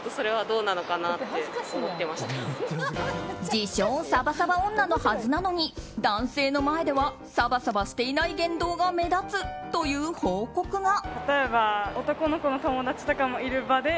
自称サバサバ女のはずなのに男性の前ではサバサバしていない言動が目立つという報告が。